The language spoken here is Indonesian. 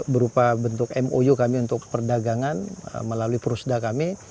berupa bentuk mou kami untuk perdagangan melalui purusda kami